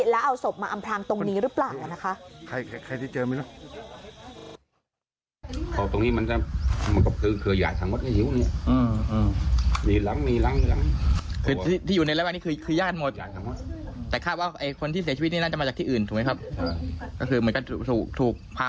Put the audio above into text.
แล้วเอาศพมาอำพลางตรงนี้หรือเปล่านะคะ